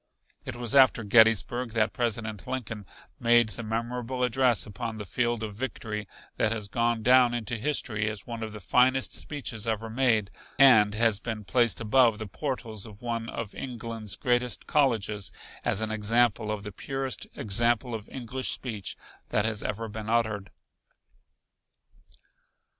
It was after Gettysburg that President Lincoln made the memorable address upon the field of victory that has gone down into history as one of the finest speeches ever made and has been placed above the portals of one of England's greatest colleges as an example of the purest example of English speech that has ever been uttered.